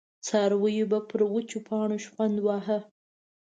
څارويو به پر وچو پاڼو شخوند واهه.